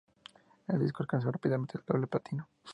El disco alcanzó rápidamente el doble platino.